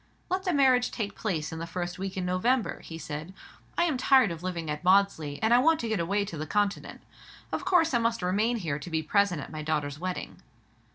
"Let the marriage take place in the first week in November," he said. "I am tired of living at Maudesley, and I want to get away to the Continent. Of course I must remain here to be present at my daughter's wedding."